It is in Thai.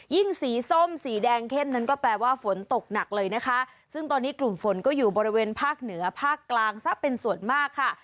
สีส้มสีแดงเข้มนั้นก็แปลว่าฝนตกหนักเลยนะคะซึ่งตอนนี้กลุ่มฝนก็อยู่บริเวณภาคเหนือภาคกลางซะเป็นส่วนมากค่ะ